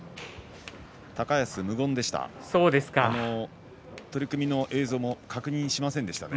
高安は無言でした。